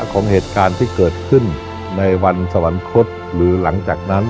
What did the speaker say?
ของเหตุการณ์ที่เกิดขึ้นในวันสวรรคตหรือหลังจากนั้น